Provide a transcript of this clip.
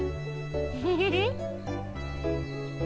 フフフフ。